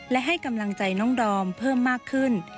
และให้กำลังใจน้องดอมเพิ่มมากขึ้น